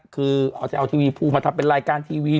คือเอาทีวีพูลมาทำเป็นรายการทีวี